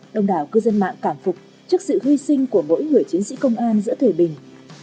đồng đảo cư dân mạng cảm phục trước sự hy sinh của mỗi người chiến sĩ công an giữa thời bình